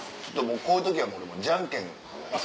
こういう時はもうじゃんけん。